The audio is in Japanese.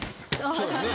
そうやんね。